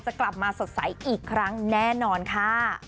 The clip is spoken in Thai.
กลับมาสดใสอีกครั้งแน่นอนค่ะ